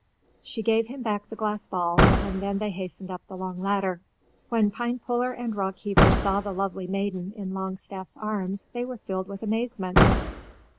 She gave him back the glass ball and then they hastened up the long ladder. When Pinepuller and Rockheaver saw the lovely maiden in Longstaff's arms they were filled with amazement.